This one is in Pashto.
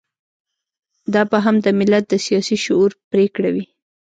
دا به هم د ملت د سياسي شعور پرېکړه وي.